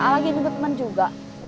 lagi nunggu temen juga